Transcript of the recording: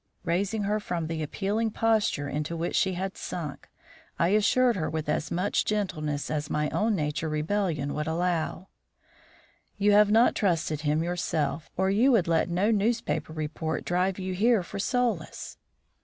Raising her from the appealing posture into which she had sunk, I assured her with as much gentleness as my own inner rebellion would allow: "You have not trusted him yourself, or you would let no newspaper report drive you here for solace."